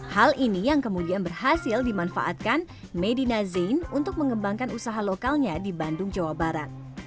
hal ini yang kemudian berhasil dimanfaatkan medina zain untuk mengembangkan usaha lokalnya di bandung jawa barat